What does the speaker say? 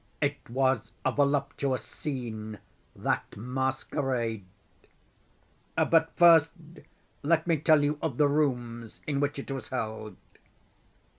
It was a voluptuous scene, that masquerade. But first let me tell of the rooms in which it was held.